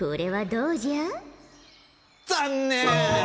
残念！